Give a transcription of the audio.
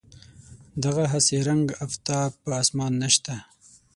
دغه هسې رنګ آفتاب په اسمان نشته.